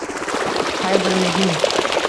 Qay birimizning